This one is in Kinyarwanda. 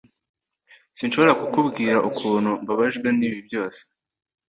Sinshobora kukubwira ukuntu mbabajwe nibi byose.